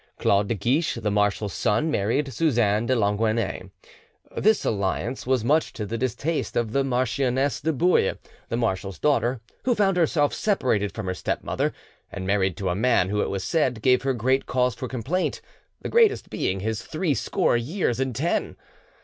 Claude de Guiche, the marshal's son, married Suzanne de Longaunay. This alliance was much to the distaste of the Marchioness de Bouille, the marshal's daughter, who found herself separated from her stepmother, and married to a man who, it was said, gave her great cause for complaint, the greatest being his threescore years and ten.